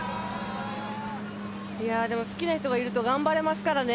いやでも好きな人がいると頑張れますからね。